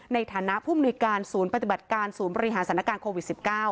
ในฐานะผู้มนุยการศูนย์ปฏิบัติการศูนย์บริหารสถานการณ์โควิด๑๙